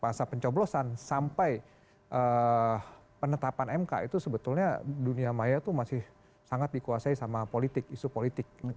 masa pencoblosan sampai penetapan mk itu sebetulnya dunia maya itu masih sangat dikuasai sama politik isu politik